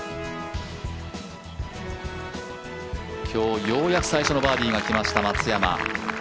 今日ようやく最初のバーディーがきました、松山。